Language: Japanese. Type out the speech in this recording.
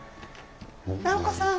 尚子さん